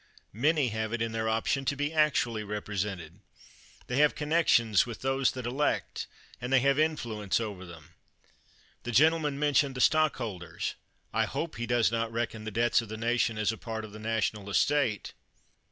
Many have it in their option to be actually represented. They have connections with those that elect, and they have influence over them. The gentleman mentioned the stockholders. I hope he does not reckon the debts of the nation as a part of the national estate.